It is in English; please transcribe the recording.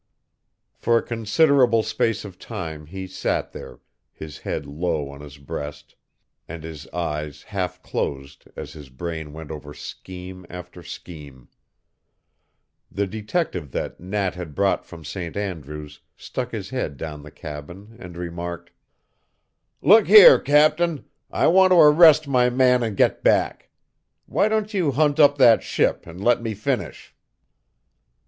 For a considerable space of time he sat there, his head low on his breast, and his eyes half closed as his brain went over scheme after scheme. The detective that Nat had brought from St. Andrew's stuck his head down the cabin and remarked: "Look here, captain, I want to arrest my man and get back. Why don't you hunt up that ship and let me finish?"